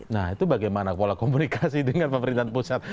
nah itu bagaimana pola komunikasi dengan pemerintahan pusat